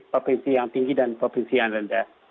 provinsi yang tinggi dan provinsi yang rendah